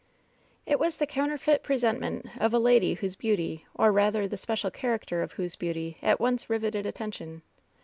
It was the counterfeit presentment of a lady whose beauty, or rather the special character of whose beauty, at once riveted attention.